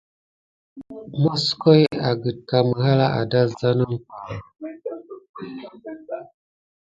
Moskoyo a gakeká mihala a da zane umpay.